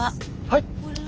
はい？